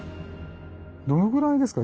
どのぐらいですか？